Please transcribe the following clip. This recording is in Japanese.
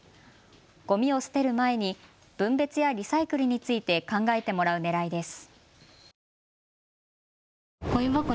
ごみを捨てる前に分別やリサイクルについて考えてもらうねらいです。